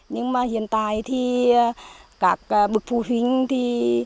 nhưng mà hiện tại thì các bậc phụ huynh thì